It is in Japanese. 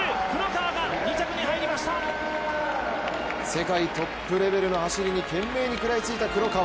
世界トップレベルの走りに懸命に食らいついた黒川。